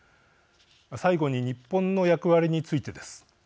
最後に、日本の役割についてです。